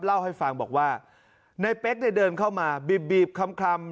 เล่าให้ฟังบอกว่าในเป๊กเนี่ยเดินเข้ามาบีบคลำ